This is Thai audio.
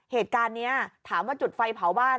เหตุการณ์นี้ถามว่าจุดไฟเผาบ้าน